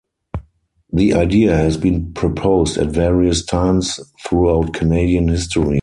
The idea has been proposed at various times throughout Canadian history.